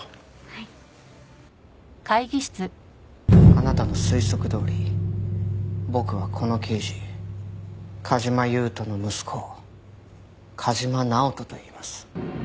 あなたの推測どおり僕はこの刑事梶間優人の息子梶間直人といいます。